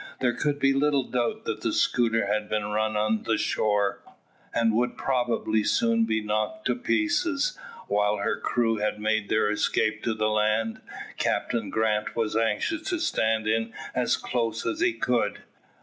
There could be little doubt that the schooner had been run on shore, and would probably soon be knocked to pieces, while her crew had made their escape to the land. Captain Grant was anxious to stand in as close as he could.